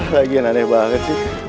lagian aneh banget sih